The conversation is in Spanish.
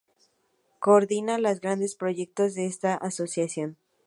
Coordina los grandes proyectos de esta asociación.